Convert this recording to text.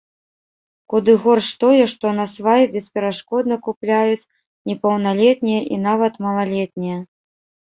Куды горш тое, што насвай бесперашкодна купляюць непаўналетнія і нават малалетнія.